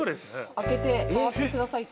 開けて触ってくださいと。